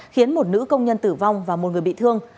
khiến một nữ công nhân tử vong và một người bị thương